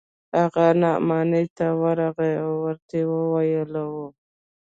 هغه نعماني ته ورغلى و ورته ويلي يې و.